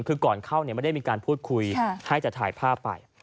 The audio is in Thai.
คือก่อนเข้าไม่ได้มีการพูดคุยให้แต่ถ่ายภาพไป